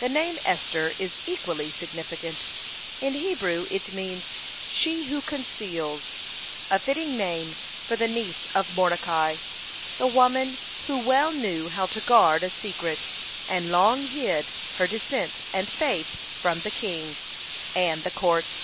The name Esther is equally significant. In Hebrew it means "she who conceals," a fitting name for the niece of Mordecai, the woman who well knew how to guard a secret, and long hid her descent and faith from the king and the court.